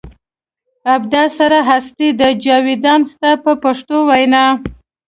ابدا سره هستي ده جاویدان ستا په پښتو وینا.